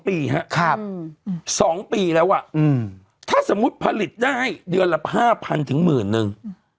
๒ปีฮะ๒ปีแล้วอ่ะถ้าสมมุติผลิตได้เดือนละ๕๐๐๐ถึง๑๐๐๐๐